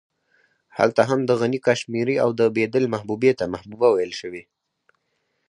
هلته هم د غني کاشمېري او د بېدل محبوبې ته محبوبه ويل شوې.